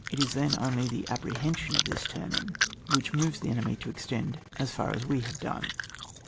It is then only the apprehension of this turning which moves the enemy to extend as far as we have done.